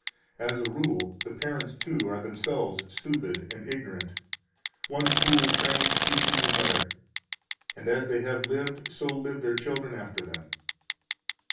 124 As a rule, the parents, too, are themselves stupid and ignorant; one fool trains [teaches] another, and as they have lived, so live their children after them.